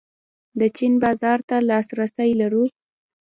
د چین بازار ته لاسرسی لرو؟